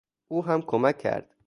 او هم کمک کرد.